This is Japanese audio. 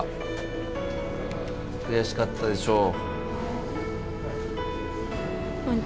悔しかったでしょう。